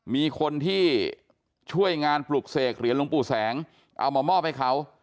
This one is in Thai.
มีคนที่ช่วยงานปลุกเสกเหรียญหลวงปู่แสงเอามามอบให้เขา